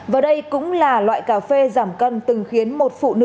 và đây cũng là loại cà phê giảm cân từng khiến một phụ nữ